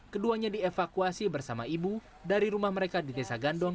keduanya dievakuasi bersama ibu dari rumah mereka di desa gandong